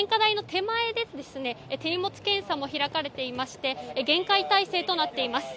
手荷物検査も開かれていまして厳戒態勢となっています。